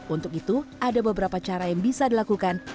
untuk itu ada beberapa cara yang bisa dilakukan